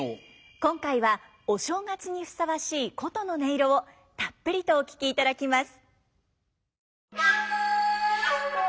今回はお正月にふさわしい箏の音色をたっぷりとお聴きいただきます。